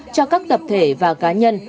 cho các tập thể và cá nhân